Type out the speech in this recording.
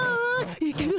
いける。